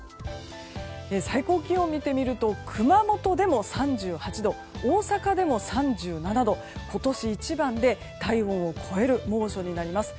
最高気温を見てみると熊本でも３８度大阪でも３７度今年一番で体温を超える猛暑になります。